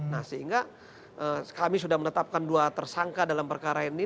nah sehingga kami sudah menetapkan dua tersangka dalam perkara ini